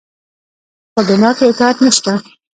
په ګناه کې اطاعت نشته